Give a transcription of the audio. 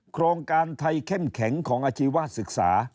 โครงการไทยเข้มแข็งของอาชีวศึกษา